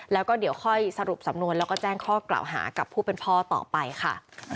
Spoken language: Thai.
แล้วก็เดี๋ยวค่อยสรุปสำนวนแล้วก็แจ้งข้อกล่าวหากับผู้เป็นพ่อต่อไปค่ะ